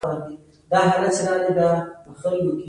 ډېر وخت وروسته ښاغلي ډاربي خپله ماتې جبران کړه.